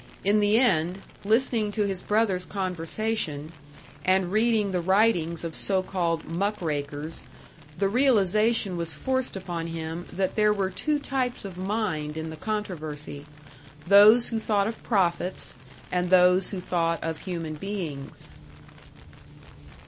In the end, listening to his brother's conversation, and reading the writings of so called "muck rakers," the realisation was forced upon him that there were two types of mind in the controversy those who thought of profits, and those who thought of human beings.